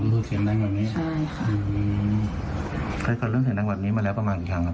มีเรื่องเสียงแบบนี้ใช่ค่ะอืมใครเคยเรื่องเสียงแบบนี้มาแล้วประมาณกี่ครั้งครับ